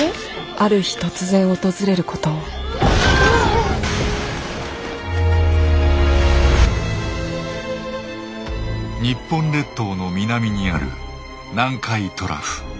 ある日突然訪れることを日本列島の南にある南海トラフ。